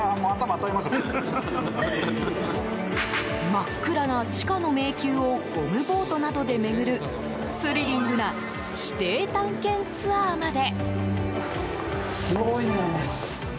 真っ暗な地下の迷宮をゴムボートなどで巡るスリリングな地底探検ツアーまで。